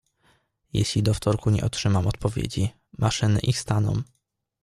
"Jeśli do wtorku nie otrzymam odpowiedzi, maszyny ich staną."